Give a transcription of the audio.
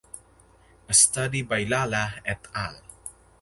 A study by Lala "et al".